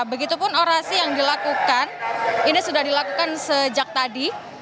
begitupun orasi yang dilakukan ini sudah dilakukan sejak tadi